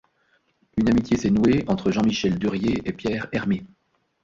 Une amitié s’est nouée entre Jean-Michel Duriez et Pierre Hermé.